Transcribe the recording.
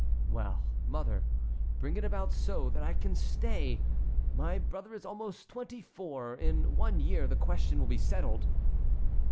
"Well, mother, bring it about so that I can stay. My brother is almost twenty four. In one year the question will be settled."